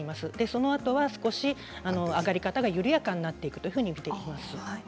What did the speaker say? そのあとは少し上がり方が緩やかになっていくと見ています。